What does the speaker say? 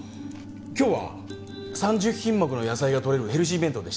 今日は３０品目の野菜がとれるヘルシー弁当でした。